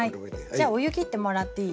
じゃお湯きってもらっていい？